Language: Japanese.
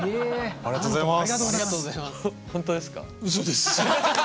ありがとうございます。